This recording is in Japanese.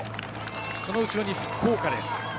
その後ろに福岡です。